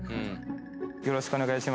よろしくお願いします。